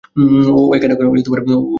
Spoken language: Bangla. ও এখানে কেনো?